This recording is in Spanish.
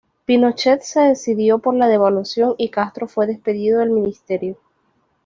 Pinochet se decidió por la devaluación y Castro fue despedido del Ministerio.